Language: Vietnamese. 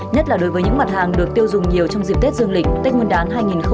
nhất là đối với những mặt hàng được tiêu dùng nhiều trong dịp tết dương lịch tết nguyên đán hai nghìn hai mươi